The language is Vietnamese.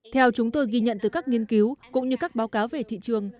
theo chúng tôi ghi nhận từ các nghiên cứu cũng như các báo cáo về thị trường